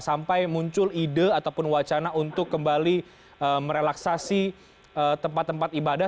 sampai muncul ide ataupun wacana untuk kembali merelaksasi tempat tempat ibadah